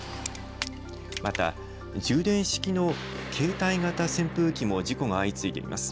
また、充電式の携帯型扇風機も事故が相次いでいます。